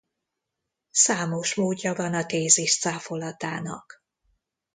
Számos módja van a tézis cáfolatának.